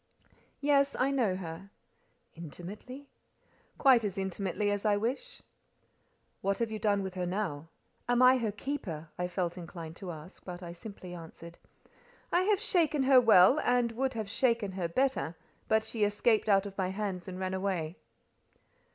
"Yes: I know her." "Intimately?" "Quite as intimately as I wish." "What have you done with her now?" "Am I her keeper?" I felt inclined to ask; but I simply answered, "I have shaken her well, and would have shaken her better, but she escaped out of my hands and ran away."